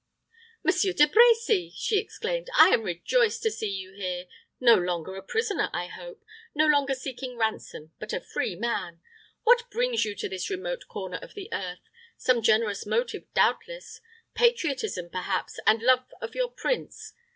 "Monsieur de Brecy!" she exclaimed, "I am rejoiced to see you here no longer a prisoner, I hope no longer seeking ransom, but a free man. But what brings you to this remote corner of the earth? Some generous motive, doubtless. Patriotism, perhaps, and love of your prince.